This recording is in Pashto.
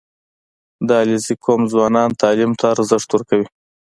• د علیزي قوم ځوانان تعلیم ته ارزښت ورکوي.